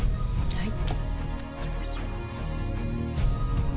はい。